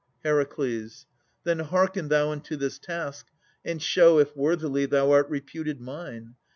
HER. Then hearken thou unto this task, and show If worthily thou art reputed mine.